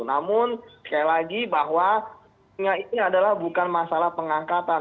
namun sekali lagi bahwa ini adalah bukan masalah pengangkatan